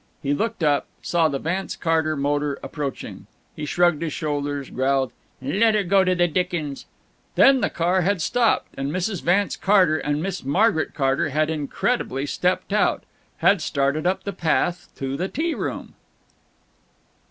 He looked up, saw the Vance Carter motor approach. He shrugged his shoulders, growled, "Let her go to the dickens." Then the car had stopped, and Mrs. Vance Carter and Miss Margaret Carter had incredibly stepped out, had started up the path to the tea room.